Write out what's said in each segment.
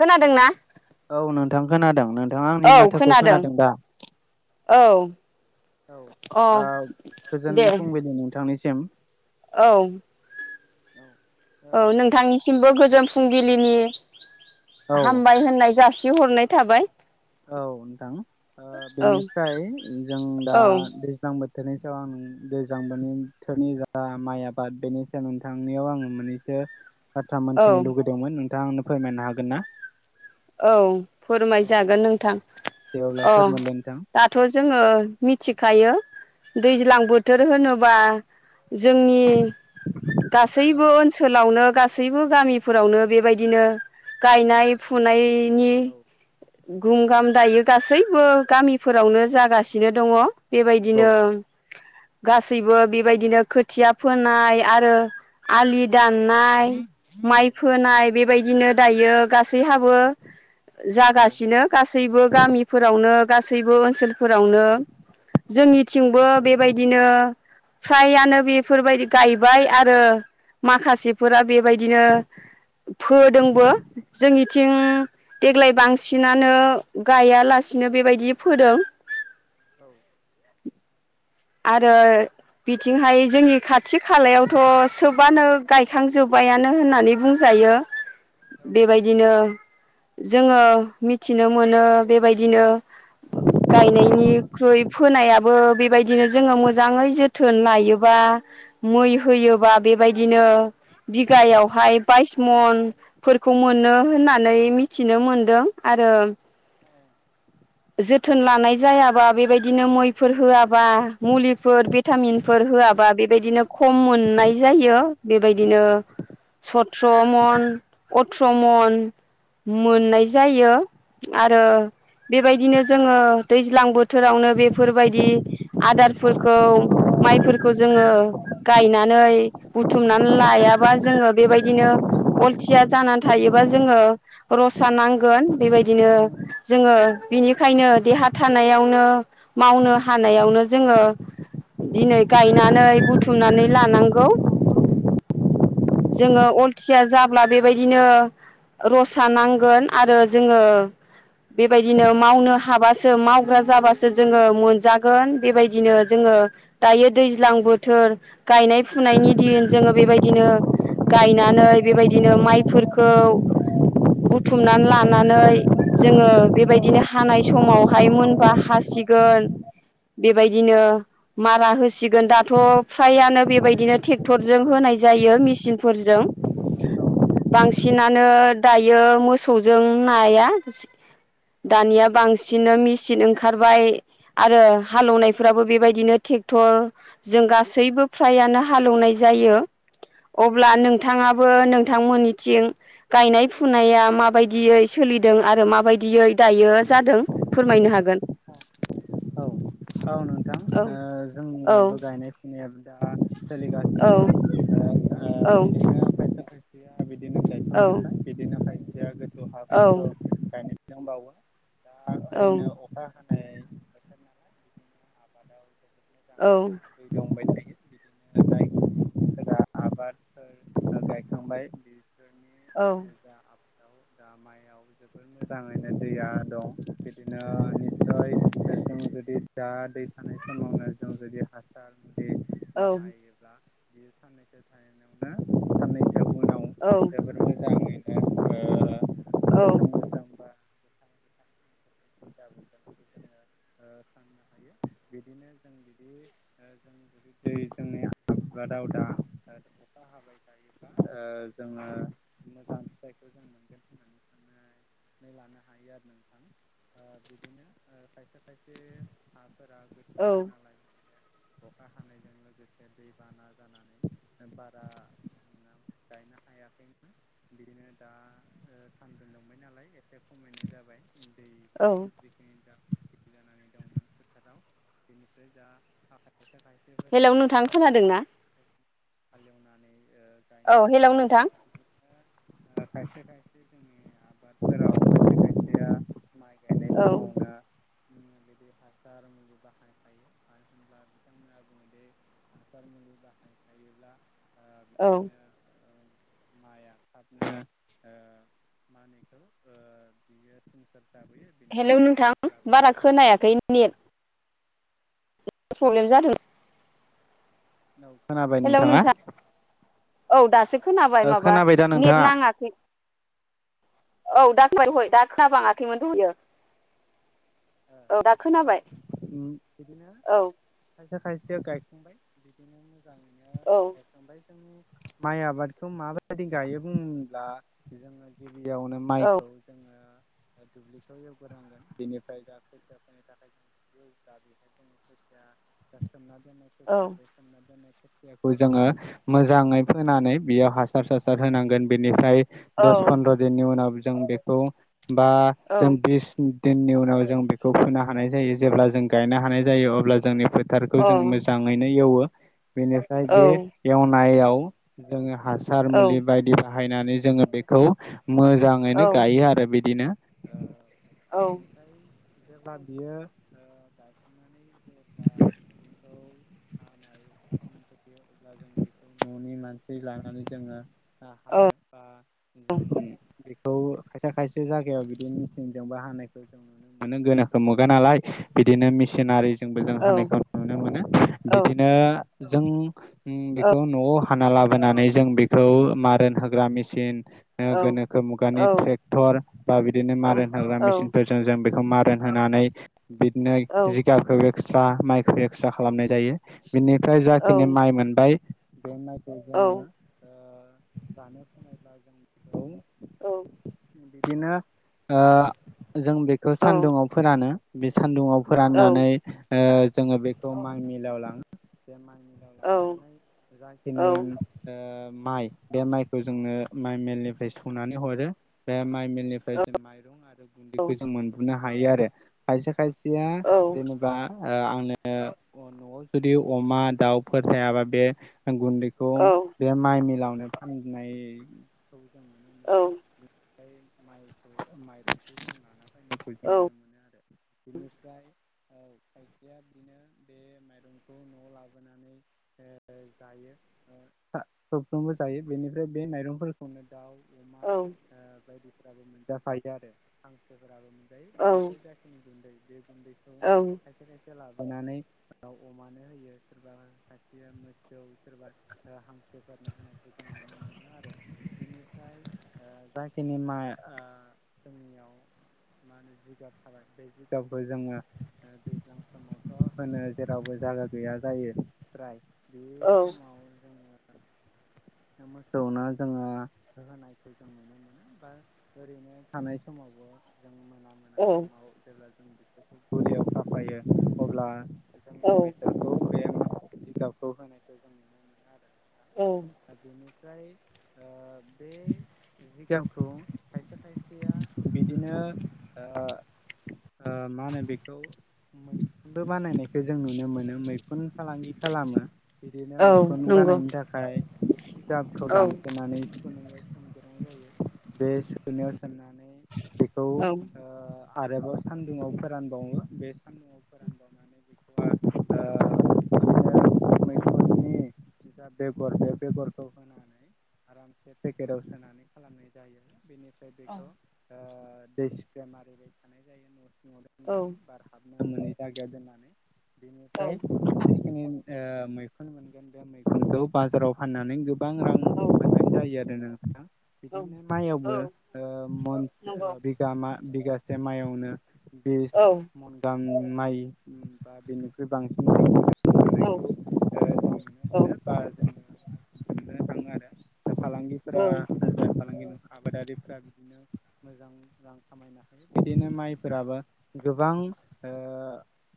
खोनादोंना औ नोंथां खोनादों नोंथांङा आंनि माथोखौ खोनादों दा औ [unintelligible] अ औ गोजोन दे फुंबिलि नोंथांनिसिम औ औ औ नोंथांनिसिमबो गोजोन फुंबिलिनि ओ औ हामबाय होननाय जासि खिहरनाय थाबाय औ नोंथां ओ औ बेनिफ्राय जों दा औ दैज्लां बोथोर थोनि सायाव आं दैज्लां बोनि बोथोरनि जा माइ आबाद बेनि सायाव नोंथांनियाव आंङो मोननैसो बाथ्रा औ मोन्थिनो लुुबैदोंमोन नोंथां आनो फोरमायनो हागोन ना औ औ फोरमायजागोन नों थां दे अब्ला अ फोरमायलाय नोंथां दाथ जोंङो मिथिखायो दैज्लां बोथोर होनोबा जोंनि औ गासैबो ओनसोलावनो गासै गासैबो गामिफोरावनो बेबायदिनो औ गायनाय [unintelligible] औ औ बयबो गामिफोरावनो जागासिनो दंङ नंगौ बेबायदिनो गासैबो बेबायदिनो खोथिया फोनाय आरो आलि दाननाय औ माइ फोनाय बेबायदिनो दायो गासै हाब औ जागासिनो गासैबो गामिफोरावनो गासैबो ओनसोल फोरावनो जोंनिथिंबो बेबायदिनो फ्रायानो बेफोरबायदि गायबाय आरो माखासेफोरा बेबायदिनो फोदोंबो जोंनिथिं देग्लाय बांसिन बांसिनानो गायालासिनो बेबायदि फोदों औ आरो बिथिंहाय जोंनि खाथि खालायावथ सोबानो गायखांजोब्बायानो होननानै बुंजायो यो बेबायदिनो जोंङो मिथिनो मोनो बेबायदिनो गायनायनिख्रुइ फोनायाबो बेबायदि बिदिनो जोंङो मोजाङै जोथोन लायोबा मै होयोबा बेबायदिनो बिगायावहाय बाइस मनफोरखौ मोनो होननानै मिथिनो मोनदों आरो आरो औ जोथोन लानाय जायाबा बेबायदिनो मैफोर होआबा मुलिफोर भिटामिनफोर होआबा बेबायदिनो खम मोननाय जायो बेबायदिनो सथ्र मन अथ्र मन मोननाय जायो आरो औ नो जोंङो दैज्लां बोथोरावनो बेफोरबायदि आदारफोरखौ माइफोरखौ जोंङो गायनानै बुथुमनानै लायाबा जोंङो बेबायदिनो अलसि जानानै थायोबा जोंङो रसा नांगोन बेबायदिनो औ जोंङो बिनिखायनो देहा थानायावनो मावनो हानायावनो जोङो दिनै गायनानै बुथुमनानै लानांगौ [unintelligible] जोङो अलथिया जाब्ला बेबायदिनो रसा नांगोन आरो जोङो बेबायदिनो मावनो हाबासो मावग्रा जाबासो जोङो मोनजागोन बेबायदिनो जोङो ओ दायो दैज्लां बोथोर गायनाय फुनायनि दिन जोङो बेबायदिनो गायनानै बेबायदिनो माइफोरखौ बुथुमनानै लानानै जोङो बेबायदिनो हानाय समावहाय मोनबा हासिगोन बेबायदिनो मारा होसिगोन दाथ' फ्रायानो बेबायदिनो ट्रेक्टर टरजों होनाय जायो मेसिनफोरजों नोंथां बांसिनानो दायो मोसौजों नाया दानिया बांसिनानो मेचन ओंखारबाय आरो हालेवनायफ्राबो बेबायदिनो ट्रेक्टर जों गासैबो फ्रायानो हालेवनाय जायो अब्ला नोंथाङाबो नों बिथांमोननिथिं गायनाय फुनाया माबायदियै सोलिदों आरो माबायदियै दायो जादों फोरमायनो हागोन [inaudible] औ नोंथां औ जोंनियाबो गायनाय फुनायाबो दा सोलि औ औ फैसा खायसैया बिदिनो औ नो खायसेया औ गोथौ हाफोरखौ गायनायनो दंबावो औ दा ओरैनो अखा खानाय बोथोर नालाय बिदिनो आबादाव जोबोद मोजाङैनो दै लांबाय थायो बिदिनोायफोराा आबादफोर गायखांबाय [unintelligible] नि जा आबु [unintelligible] दा माइयाव जोबोद मोजाङैनो दैया दं बिदिनो निटसय ग [unintelligible] दा दै थानाय समावनो जों जुदि हासार मुलि बाहायोब्ला बेयो साननैसो थानायाहनायावनो साननैसो [unintelligible] बे [unintelligible] औ [unintelligible] नो हायो बिदिनो जों बिदि जों जुदि दै जोंनि [unintelligible] बा दावदा अखा हाबाय थायोब्ला जोङो मोजां फिथाइखौ मोजां मोनगोन होननानै साननानै लानो हायो आरो नोंथां बिदिनो खायसे खायसे औ द [unintelligible] अखा हानायजों लोगोसे दै बाना जानानै बारा गायनो हायो हायाखैमोन बेनो दा ओ सानदुं दुंबाय नालाय एसे खमायनाय जाबाय दै औ जिखिनि द जानानै दंमोन खोथाराव बेनिफ्राय जा ह [unintelligible] खायसा खायसेफोरा हेलौ नोंथां हालेवनानै खोनादोंना हालेवनानै औ गायनो हेलौ फोंबाय नोंथां [unintelligible] खायसे खायसे जोंनि आबादफोराव खायसे खायसेया माइ औ उ [unintelligible] बिदि हासार मुलि बाहायखायो मानो होनब्ला बिथांमोना बुङोदिे हासार मुलि बाह नायफायोब्ला औ बिदिनो माइआ थाबनो मानैखौ बियो थिनस [unintelligible] हेलौ नोंथां बारा खोनायाखै नेट प्रब्लेम जादों औ खोनाबाय हेलौ नोंथाङा? नोंथां औ दासो खोनाबाय ओ माबा खोनाबाय दा नेट नोंथाङा नाङाखै। औ ओ दाखोबाय हय दा खोन बाङाखैमोनथयो [unintelligible] औ बिदिनो औ खायसे खायसे गायजी खांबाय बिदिनो मोजाङैनो औ गायखांबाय। माइ आबादखौ माबायदि गायो बब्ला जोङो दैयावनो औ माइखौ जोङो दुब्लिखौ एवगोनांगोन बेनिफ्राय ाय दा खैथियाफोरनि थाखाय जों दा बेहाय जो खथिया औ जना ोनयाखौ जोङो मोजाङै। होनानै बियाव हासार सासार होनांगोन बेनिफ्राय औ दस फन्द्र' दिननि उनाव बा औ जों बिनि जों बेखौ फोनो हानाय जायो जेब्ला जों गायनो हानाय जायो अब्ला जोंनि फ फोथारखौ औ जों मोजाङैनो एवो। बेनिफ्राय औ बे एवनायाव जोङो हासार औ मुलि बायदि ब बाहायनानै जोङो बेखौ। औ मोजाङैनो औ गायो आरो बिदिनो औ बेनिफ्राय जेब्ला बियो गायाखोननानै जेब्ला बेखौ हानाय यो अब्ला जों बेखौ न'नि मानसि लानानै जोङो हायो बा जों थ खायसे खायसे जायगायाव बिदि मेचिनजोंबोा हानायखौ जों नु मोनो। मोनो गोनोखौो मुगा नालाय बिदिनो मसिनारि जों हानायखौ नुनो मोनो बिदिनो जों बेखौ न'आव हाना लाबोनानै जों बेखौ मारन होग्रा मेचिन गोनोखो मुगानि ट्रेक्टर बा बिदिनो मारेन हाग्रा मेसिनफोरजों जों मारोन होनानै बिदिनो जिगाबखौ एक्सट्रा माइखौ एक्सट्रा खालामनाय जायो। बिनिफ्राय जाखिनि माइ मोनबाय। बे माइखौ जोङो जानो समायब्ला जों बेखौ बिदिनो जों बेखौ सान्दुङाव फोरानो बे सानदुुंआव फोराननानै जों बेखौ माइ मिल आव लां ाव लांनानै जाखिनि माइ बे माइखौ जोंनो माइ मेलनिफ्राय सौनानै हरो बे माइ म निफ्राय जों माइरं आरो गुन्दैखौ जों मोनबोननो हायो आरो खायसे खायसे या जेनेबा आंनो न'आव जुदि अमा दाउफोर थायाबा बे गुन्दैखौ बे माइ मिलावनो फाननाय। जों नुनो मोनोनिफ्राय माइखौ माइरंखौ जों लान जों नुनो मोनो आरो बिनिफ्राय औ खायसेया बिनो बे माइरंखौ न'आव लाबोनानै जायो। सबफ्रोमबो जायो बेनिफ्राय बे माइरंफोरखौनो दाउ अमा बायदिफोराबो मोनजाफायद आरो हांसोफोराबो मोन गुन्दै औ बेनिफ्राय जाखिनि गुन्दै बे गुन्दैखौ औ खायसे खायसे लाबोनानै अमानो होयो सोरबा खायसेया मोसौ सोरबा हांसोफोरनो होनायखौ जों नुनो मोनो आरो बेनिफ्राय जाखिनि मा जोंनियाव। मा होनो जिगाब थाबाय बे जिगाबखौ जोङो दैज्लां समावथ' होनो जेरावबो जागा गैया जायो। औ। ए। मोसौनो जोङो होनायखौ जों नुनो मोनो बा ओरैनो थानाय समावबो [inaudible] जों मोना मोना औ समाव जेब्ला जों बिसोरखौ बुरियाव थाफायो अब्ला औ बिजगाबखौ होनायखौ जों नुनो मोनो आरो बिथां औ दा बेनि [inaudible] ओमफ्राय बे जिगामखौ खायसे खायसेया बिदिनो ओ मा होनो बेखौ मैखुनबो बानायनायखौ जों नुनो मोनो मैखुन फालांगि खालामो बिदिनो औ मैखुन नंगौ बानायनो थाखाय। जि गामिखौ औ दानफ्लेनानै सुखुनायाव सोमगोनां जायो बे सुखुनायाव सोमनानै बेखौ औ ओ आरोबाव सान्दुुंआव फोरानबावो बे सान्दुङाव फोरानबावनानै बेखौ औ [inaudible] मैखुमनि जा बेगर बे बेगरखौ होनानै आरामसे पेकेटाव सोनानै खालामनाय जायो आरो बेनिफ्राय [inaudible] ओमफ्राय बेखौ ओ दै सिप्रे मारिबाय थानाय जायो न'सिंआव औ दोननानै बार हाब [inaudible] नो मोनै जायगाया दोननानै बेनिफ्राय ओ मैखुन मोनगोन बे मैखुनखौ बाजाराव फाननानै गो गोबां रां औ मोनाय जायो आरो नोंथां बिदिनो माइआवबो ओ ओ नंगौ बिगा मा बिगासे मयावनो बिस औ नंगौ औ मनगाम माइ बा बेनिख्रुइ बांसिन जों नुनो औ-औ ओ थाङो आरो दा फालांगिफोरा बेफार फालांगि आबादारिफोरा बिदिनो मोजां रां खामायनो हायो बिदिनो माइफोराबो गोबां ओ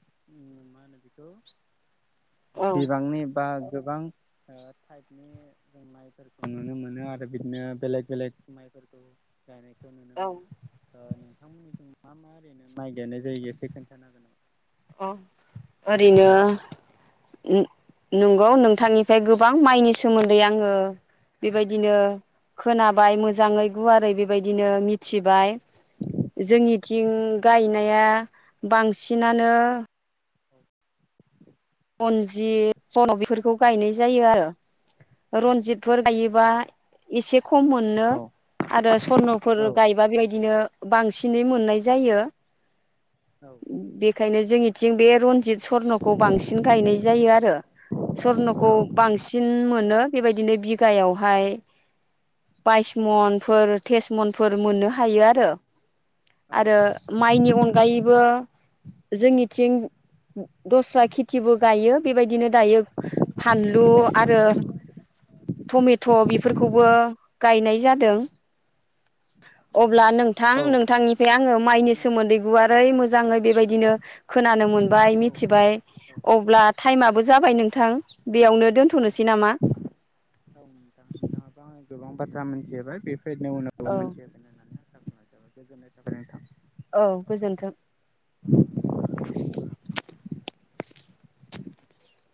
[inaudible] मा होनो बेखौ औ बिबांनि बा गोबां ओ [inaudible] थाइपनि जों माइफोरखौ नुनो मोनो आरो बिदिनो बेलेक-बेलेक माइफोरखौ गायनाय [inaudible] नुनो मोनो ओनोंथांमोननिथि मा-मा ओरैनो माइ गायनाय जायगसो खोन्थानो हागोन नामा। अ ओरैनो नंगौ नोंथांनिफ्राय गोबां माइनि सोमोन्दै आङो बेबायदिनो खोनाबाय मोजाङै गुवारै बेबायदिनो मिथिबाय जोंनिथिं गायनाया औ बांसिनानो [unintelligible] रन्जित जन' बेफोरखौ औ गायनाय जायो आरो। औ रनजितफोर गायोबा एसे खम मोननो औ आरो सरन'फोर औ गायबा बेबायदिनो बांसिनै मोननाय जायो। बेखायनो जोंनिथिं बे रनजित सर्नखौ बांसिन गायनाय जायो आरो। सरनखौ बांसिन मोनो बेबायदिनो बिगायावहाय बाइस मनफोर तेस मनफोर मोननो हायो आरो। आरो माइनि अनगायैबो जोंनिथिं दस्रा खेथिबो गायो बेबायदिनो दायो फानलु आरो टमेट' बेफोरखौबो गायनाय जादों। अब्ला नोंथां नोंथांनिफ्राय आङो माइनि सोमोन्दै गुवारै मोजां मोजाङै बेबायदिनो खोनानो मोनबाय मिथिबाय अब्ला टाइमाबो जाबाय नोंथां बेयावनो औ दोनथ'नोसै नोंथां नामा औ नोंथां नोंथाङाबो आंनो गोबां बाथ्रा मिथिहोबाय बे औ उनावबो मोनथि होगोन होननानै आसा खालामनाय जाबाय गोजोननाय थाबाय नोंथां औ गोजोन्थों। [unintelligible]